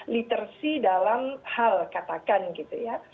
literacy dalam hal katakan gitu ya